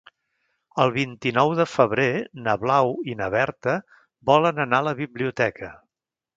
El vint-i-nou de febrer na Blau i na Berta volen anar a la biblioteca.